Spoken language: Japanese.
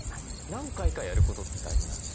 何回かやることって大事なんでしょうか？